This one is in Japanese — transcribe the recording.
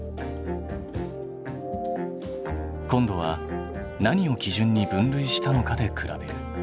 今度は何を基準に分類したのかで比べる。